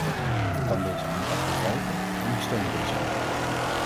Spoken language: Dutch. Ik kan deze aanpak begrijpen en ik steun deze aanpak.